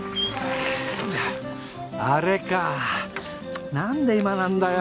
あれかなんで今なんだよ。